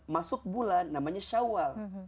masuk bulan namanya syawal